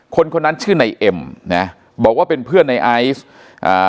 คนคนนั้นชื่อในเอ็มนะบอกว่าเป็นเพื่อนในไอซ์อ่า